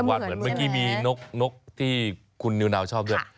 เหมือนเมื่อกี้มีนกที่คุณนิวนาวชอบด้วย